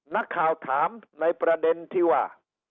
นักข่าวถามในประเด็นที่ว่า